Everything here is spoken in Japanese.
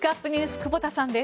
久保田さんです。